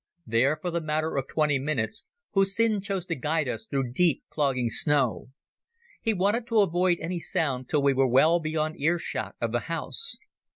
There for the matter of twenty minutes Hussin chose to guide us through deep, clogging snow. He wanted to avoid any sound till we were well beyond earshot of the house.